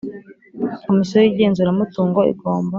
Komisiyo y igenzuramutungo igomba